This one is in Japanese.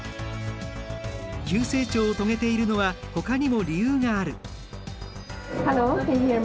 急成長を遂げているのはほかにも理由がある。